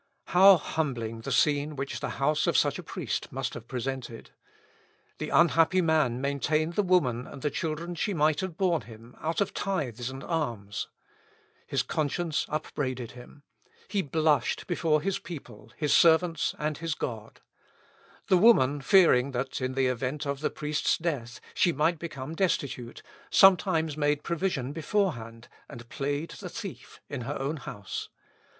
How humbling the scene which the house of such a priest must have presented! The unhappy man maintained the woman and the children she might have borne him, out of tithes and alms. His conscience upbraided him. He blushed before his people, his servants, and his God. The woman fearing, that, in the event of the priest's death, she might become destitute, sometimes made provision beforehand, and played the thief in her own house.